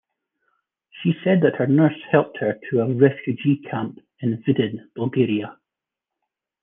She said that her nurse helped her to a refugee camp in Vidin, Bulgaria.